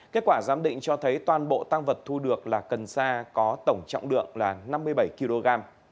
kết quả giám định cho thấy toàn bộ tăng vật thu được là cần sa có tổng trọng lượng là năm mươi bảy kg